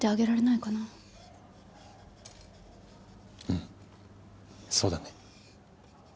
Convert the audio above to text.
うんそうだね。